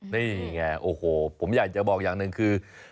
นี่ไงโอ้โหผมอยากจะบอกอย่างหนึ่งคือ